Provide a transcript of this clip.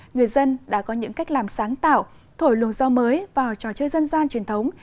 người dân đã có những cách làm sáng tạo thổi luồng do mới vào trò chơi dân gian truyền thống